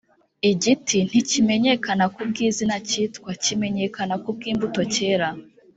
Igiti ntikimenyekana ku bw’izina kitwa ,kimenyekana ku bw’imbuto cyera